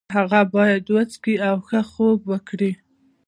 هغه باید وڅښي او ښه خوب وکړي.